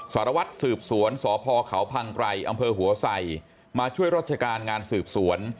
สารวัตรสืบสวนสพเขาพังไกรอำเภอหัวไสมาช่วยราชการงานสืบสวน